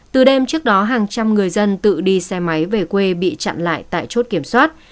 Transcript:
từ đêm trước đó hàng trăm người dân tự đi xe máy về quê bị chặn lại tại chốt kiểm soát